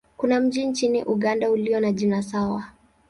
Kuna mji nchini Uganda ulio na jina sawa.